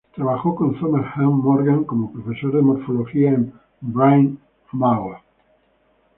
Trabajó con Thomas Hunt Morgan como profesor de morfología en Bryn Mawr.